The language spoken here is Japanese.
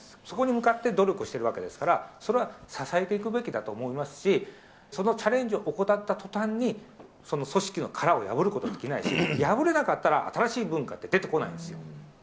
そこに向かって努力をしてるわけですから、それは支えていくべきだと思いますし、そのチャレンジを怠ったとたんに、その組織の殻を破ることはできないし、破れなかったら、新しい文化って出てこないんですよ。